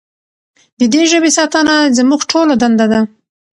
د دې ژبې ساتنه زموږ ټولو دنده ده.